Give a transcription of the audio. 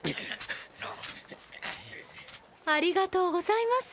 ありがとうございます。